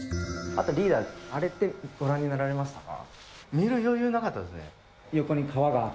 あとリーダー、あれってご覧になられましたか？